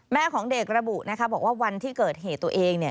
ของเด็กระบุนะคะบอกว่าวันที่เกิดเหตุตัวเองเนี่ย